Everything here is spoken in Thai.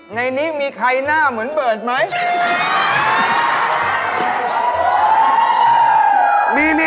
ในนี้มีใครหน้าเหมือนเบิร์ตไหม